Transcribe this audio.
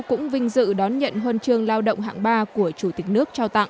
cũng vinh dự đón nhận huân chương lao động hạng ba của chủ tịch nước trao tặng